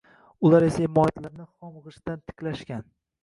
Ular esa imoratlarini xom g`ishtdan tiklashgan